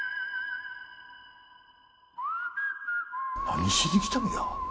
何しに来たんや？